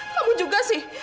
kamu juga sih